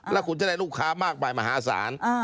แล้วคุณจะได้ลูกค้ามากมายมหาศาล